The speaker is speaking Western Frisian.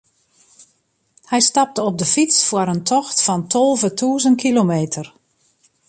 Hy stapte op de fyts foar in tocht fan tolve tûzen kilometer.